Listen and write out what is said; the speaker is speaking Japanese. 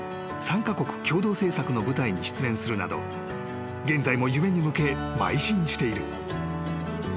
３カ国共同制作の舞台に出演するなど現在も夢に向けまい進している］